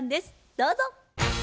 どうぞ。